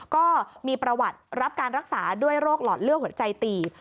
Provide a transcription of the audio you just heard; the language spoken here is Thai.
ก็มีประวัติรับการรักษาด้วยโรคหลอดเลือดหัวใจตี